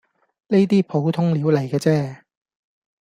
呢啲普通料黎既啫